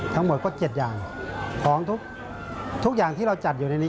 ทั้งหมดก็๗อย่างของทุกอย่างที่เราจัดอยู่ในนี้